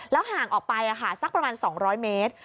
ห่างออกไปสักประมาณ๒๐๐เมตร